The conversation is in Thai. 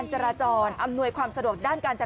โรดเจ้าเจ้าเจ้าเจ้าเจ้าเจ้าเจ้าเจ้าเจ้า